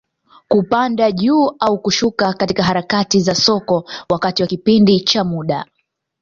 Kupanda juu au kushuka katika harakati za soko, wakati wa kipindi cha muda.